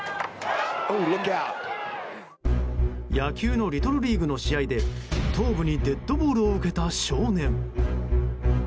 野球のリトルリーグの試合で頭部にデッドボールを受けた少年。